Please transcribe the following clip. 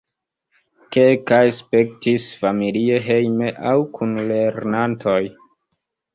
Kelkaj spektis familie hejme aŭ kun lernantoj.